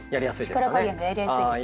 力加減がやりやすいです。